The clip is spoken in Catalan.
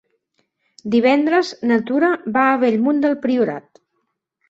Divendres na Tura va a Bellmunt del Priorat.